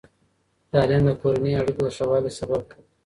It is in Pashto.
تعلیم د کورني اړیکو د ښه والي سبب دی.